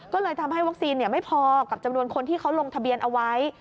ก็เลยทำให้วัคซีนไม่พอกับจำนวนคนที่เขาลงทะเบียนเอาไว้